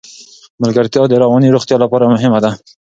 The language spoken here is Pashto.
ملګرتیا د رواني روغتیا لپاره مهمه ده.